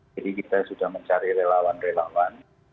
jadi kita sudah mencari relawan relawan